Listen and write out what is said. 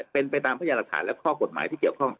เป็นไปตามพยานหลักฐานและข้อกฎหมายที่เกี่ยวข้อง